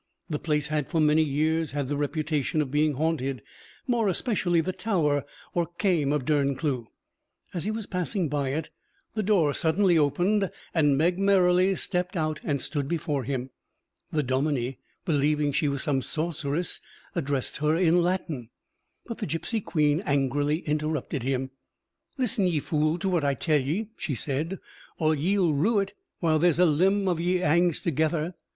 The place had for many years had the reputation of being haunted; more especially the tower, or Kaim, of Derncleugh. As he was passing by it, the door suddenly opened, and Meg Merrilies stepped out and stood before him. The dominie, believing she was some sorceress, addressed her in Latin, but the gipsy queen angrily interrupted him. "Listen, ye fool, to what I tell ye," she said, "or ye'll rue it while there's a limb o' ye hangs together.